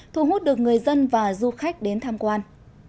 thu hút được người dân và du khách đến tham quan